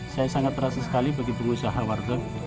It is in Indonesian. saya sangat terasa sekali begitu usaha warteg